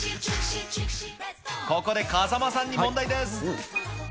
ここで風間さんに問題です。